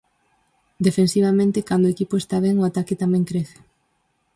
Defensivamente, cando o equipo está ben, o ataque tamén crece.